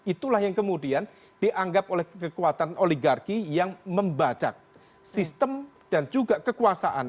itulah yang kemudian dianggap oleh kekuatan oligarki yang membacak sistem dan juga kekuasaan